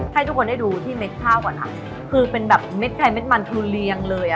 ให้ทุกคนได้ดูที่เม็ดข้าวก่อนค่ะคือเป็นแบบเด็ดใครเด็ดมันคือเรียงเลยอ่ะ